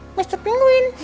nama aku mr penguin